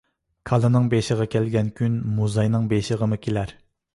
كالىنىڭ بېشىغا كەلگەن كۈن مۇزاينىڭ بېشىغىمۇ كېلەر.